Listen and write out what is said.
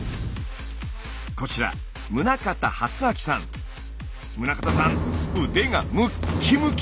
こちら宗像さん腕がムッキムキ！